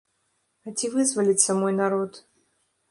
А ці вызваліцца мой народ?